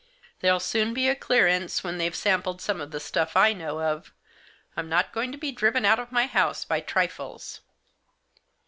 There'll soon be a clearance when they've sampled some of the stuff I know of. I'm not going to be driven out of my own house by trifles."